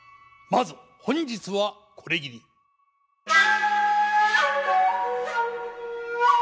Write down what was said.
まず本日はこれぎり。